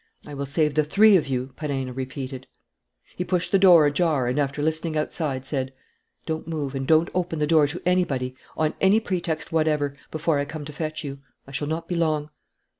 "I will save the three of you," Perenna repeated. He pushed the door ajar and, after listening outside, said: "Don't move. And don't open the door to anybody, on any pretext whatever, before I come to fetch you. I shall not be long."